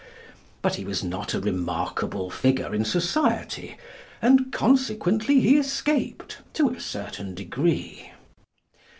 But he was not a remarkable figure in society, and consequently he escaped, to a certain degree.